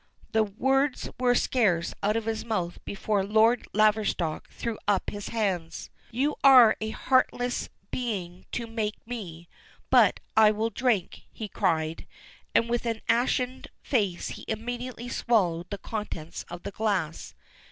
The words were scarce out of his mouth before Lord Laverstock threw up his hands. "You are a heartless being to make me, but I will drink," he cried, and with an ashened face he immediately swallowed the contents of the glass.